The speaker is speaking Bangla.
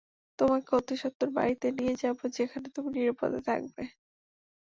তোমাকে অতিসত্বর বাড়িতে নিয়ে যাব যেখানে তুমি নিরাপদে থাকবে!